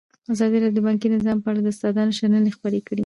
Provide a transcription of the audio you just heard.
ازادي راډیو د بانکي نظام په اړه د استادانو شننې خپرې کړي.